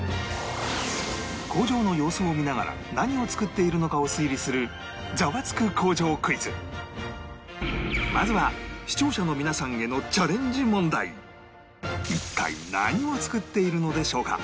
工場の様子を見ながら何を作っているのかを推理するまずは視聴者の皆さんへの一体何を作っているのでしょうか？